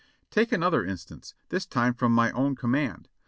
Take another instance, this time from my own command.